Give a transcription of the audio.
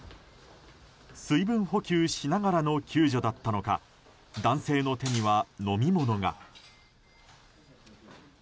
水分補給しながらの救助だったのか男性の手には飲み物が。